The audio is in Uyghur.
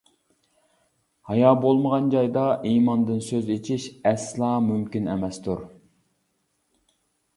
ھايا بولمىغان جايدا، ئىماندىن سۆز ئېچىش ئەسلا مۇمكىن ئەمەستۇر!